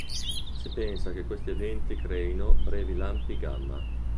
Si pensa che questi eventi creino brevi lampi gamma.